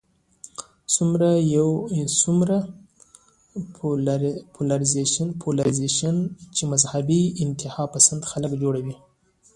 څومره پولرايزېشن چې مذهبي انتها پسند خلک جوړوي